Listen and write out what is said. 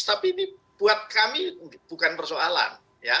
tapi ini buat kami bukan persoalan